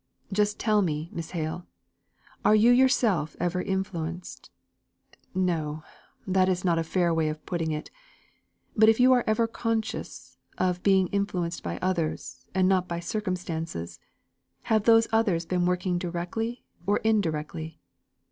"Just tell me, Miss Hale, are you yourself ever influenced no, that is not a fair way of putting it; but if you are ever conscious of being influenced by others, and not by circumstances, have those others been working directly or indirectly?